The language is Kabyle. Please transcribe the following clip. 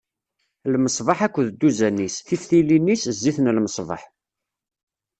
lmeṣbaḥ akked dduzan-is, tiftilin-is, zzit n lmeṣbaḥ.